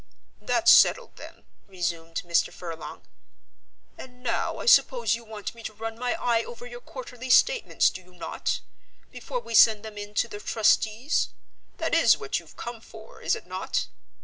"That's settled then," resumed Mr. Furlong; "and now I suppose you want me to run my eye over your quarterly statements, do you not, before we send them in to the trustees? That is what you've come for, is it not?"